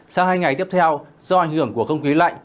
sau hai ngày tiếp theo do ảnh hưởng của không khí lạnh